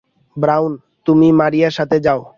Brown, তুমি মারিয়ার সাথে যাও।